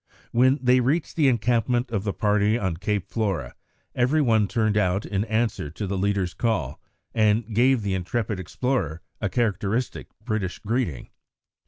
When they reached the encampment of the party on Cape Flora, every one turned out in answer to the leader's call and gave the intrepid explorer a characteristic British greeting.